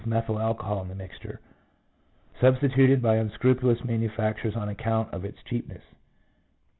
173 in the mixture, substituted by unscrupulous manu facturers on account of its cheapness.